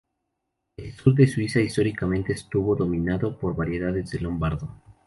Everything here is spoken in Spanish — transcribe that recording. El sur de Suiza históricamente estuvo dominado por variedades de lombardo.